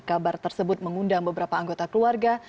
kabar tersebut mengundang beberapa anggota keluarga